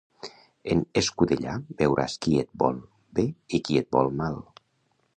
En escudellar veuràs qui et vol bé i qui et vol mal.